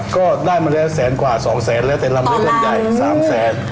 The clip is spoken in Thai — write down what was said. ก็ได้มาได้แสนกว่าสองแสนแล้วแต่ลำใหญ่สามแสน